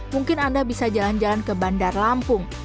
mungkin anda bisa jalan jalan ke bandar lampung